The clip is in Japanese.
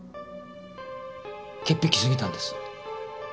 潔癖すぎたんです。